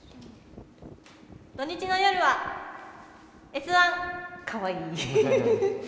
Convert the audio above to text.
土日の夜は「Ｓ☆１」かわいい。